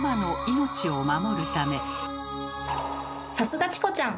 さすがチコちゃん。